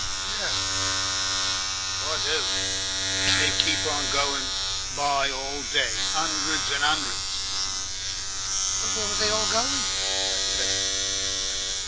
"No!" said Teddy. "I do. They'd keep on going by all day, 'undreds and 'undreds." "But where was they all going?" asked Teddy.